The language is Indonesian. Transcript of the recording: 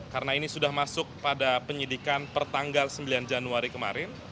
karena ini sudah masuk pada penyidikan pertanggal sembilan januari kemarin